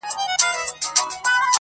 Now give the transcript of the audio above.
o مرور له پلاره ولاړی په غصه سو,